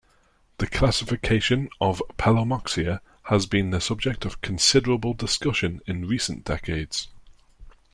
The classification of "Pelomyxa" has been the subject of considerable discussion, in recent decades.